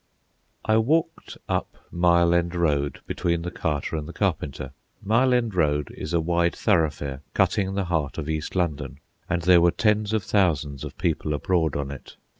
I walked up Mile End Road between the Carter and the Carpenter. Mile End Road is a wide thoroughfare, cutting the heart of East London, and there were tens of thousands of people abroad on it.